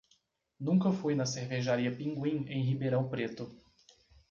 Nunca fui na cervejaria Pinguim em Ribeirão Preto.